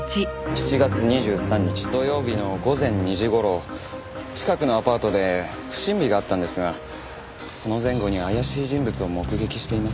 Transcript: ７月２３日土曜日の午前２時頃近くのアパートで不審火があったんですがその前後に怪しい人物を目撃していませんか？